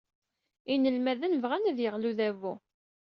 Inelmaden bɣan ad yeɣli udabu.